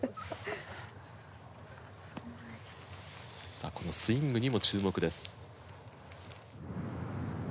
さあこのスイングにも注目です。